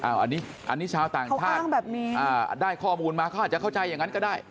อันนี้ชาวต่างภาพเขาอ้างแบบนี้ได้ข้อมูลมาเขาอาจจะเข้าใจอย่างนั้นก็ได้